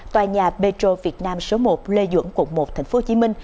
tòa nhà petro việt nam số một lê duẩn quận một tp hcm